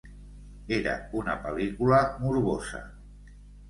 Era una pel·lícula morbosa.